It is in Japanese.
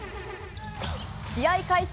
試合開始